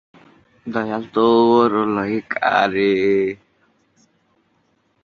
প্রাথমিকভাবে একজন ইউজিসি অধ্যাপক দুই বছরের জন্য নিযুক্ত হন।